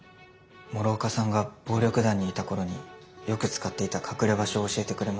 諸岡さんが暴力団にいた頃によく使っていた隠れ場所を教えてくれました。